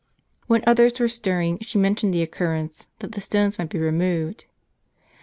When others were stirring she mentioned the occurrence, that the stones might be removed.